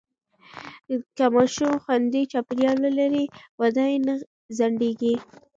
که ماشومان خوندي چاپېریال ولري، وده یې نه ځنډېږي.